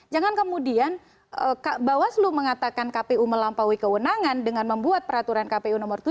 jangan kemudian bawaslu mengatakan kpu melampaui kewenangan dengan membuat peraturan kpu nomor tujuh tahun dua ribu dua puluh